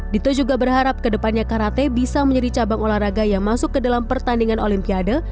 dito juga berharap kedepannya karate bisa menjadi cabang olahraga yang masuk ke dalam pertandingan olimpiade